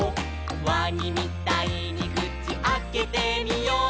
「わにみたいにくちあけてみよう」